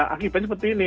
akibatnya seperti ini